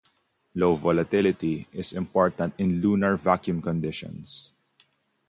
Low volatility is important in lunar vacuum conditions.